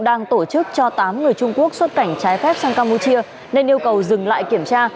đang tổ chức cho tám người trung quốc xuất cảnh trái phép sang campuchia nên yêu cầu dừng lại kiểm tra